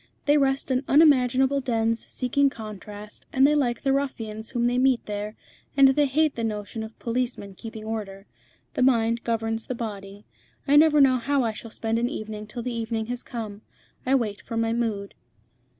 They rest in unimaginable dens seeking contrast, and they like the ruffians whom they meet there, and they hate the notion of policemen keeping order. The mind governs the body. I never know how I shall spend an evening till the evening has come. I wait for my mood."